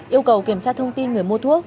yêu cầu kiểm tra thông tin người mua thuốc